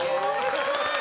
すごい！